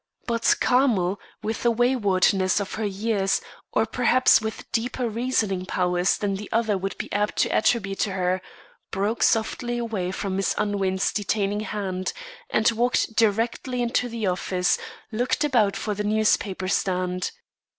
But Carmel, with the waywardness of her years or perhaps, with deeper reasoning powers than the other would be apt to attribute to her broke softly away from Miss Unwin's detaining hand, and walking directly into the office, looked about for the newspaper stand.